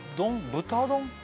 豚丼？